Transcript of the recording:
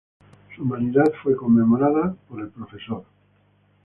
Su humanidad fue conmemorada por el prof.